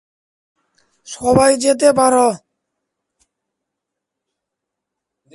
সবাই যেতে পারো।